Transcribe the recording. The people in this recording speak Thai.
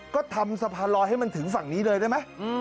ก็ทำสะพานลอยให้มันถึงฝั่งนี้เลยได้ไหม